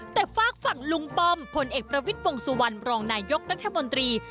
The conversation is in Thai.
แต่ฝากฝั่งลุงป้อมพลเอกประวิทย์วงสุวรรณรองนายกรัฐมนตรี